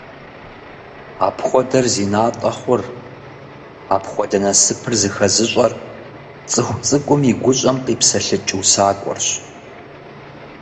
Апхуэдэр зи натӀэ хъур, апхуэдэ насыпыр зыхэзыщӀэр цӀыху цӀыкӀум и гущӀэм къипсэлъыкӀ усакӀуэрщ.